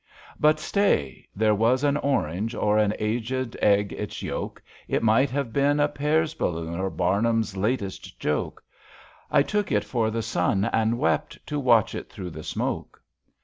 But stay, there was an orange, or An aged egg its yolk; It might have been a Pears ^ balloon Or Barnum^s latest joke: IN PAETIBUS 195 I took it for the sun and wept To watch it through the smoke.